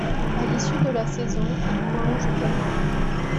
A l'issue de la saison, il prolonge d'un an.